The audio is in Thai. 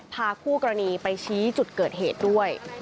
พาคู่กรณีไปชี้จุดเกิดเหตุด้วย